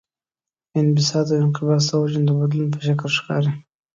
انبساط او انقباض د حجم د بدلون په شکل ښکاري.